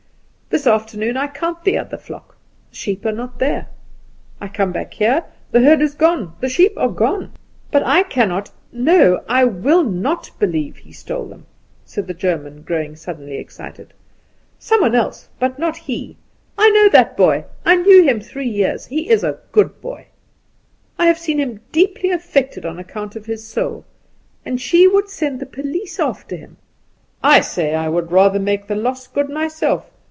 This afternoon I count the other flock. The sheep are not there. I come back here: the herd is gone; the sheep are gone. But I cannot no, I will not believe he stole them," said the German, growing suddenly excited. "Some one else, but not he. I know that boy. I knew him three years. He is a good boy. I have seen him deeply affected on account of his soul. And she would send the police after him! I say I would rather make the loss good myself.